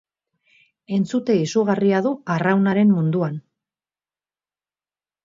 Entzute izugarria du arraunaren munduan.